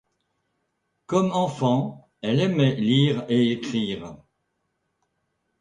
Comme enfant, elle aimait lire et écrire.